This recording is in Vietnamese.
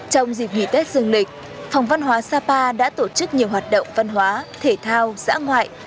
trong dịp nghỉ tết dường lịch phòng văn hóa sapa đã tổ chức nhiều hoạt động văn hóa thể thao giải phóng